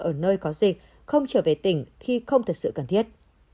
ở nơi có dịch không trở về tỉnh khi không thật sự cần thiết